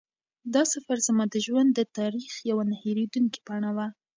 دا سفر زما د ژوند د تاریخ یوه نه هېرېدونکې پاڼه وه.